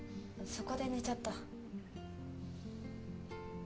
そこで寝ちゃった。